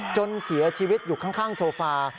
จนเสียชีวิตอยู่ข้างโซฟา